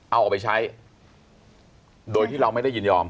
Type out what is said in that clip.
เอาออกไปใช้โดยที่เราไม่ได้ยินยอม